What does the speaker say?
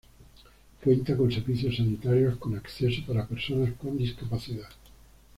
Cuenta con servicios sanitarios con acceso para personas con discapacidad.